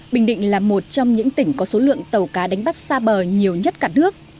bình định là một trong những tỉnh có số lượng tàu cá đánh bắt xa bờ nhiều nhất cả nước